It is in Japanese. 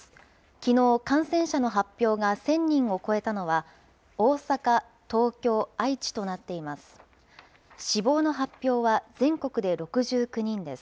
きのう、感染者の発表が１０００人を超えたのは、大阪、東京、愛知となっています。